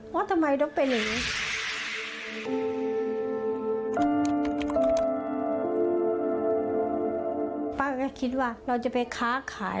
ป้าก็คิดว่าเราจะไปค้าขาย